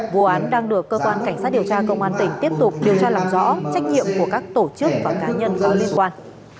vụ án đang được cơ quan cảnh sát điều tra công an tỉnh tiếp tục điều tra làm rõ trách nhiệm của các tổ chức và cá nhân có liên quan